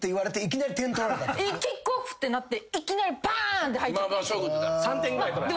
「キックオフ」ってなっていきなりパーン！って入った。